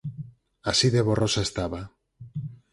Así de borrosa estaba: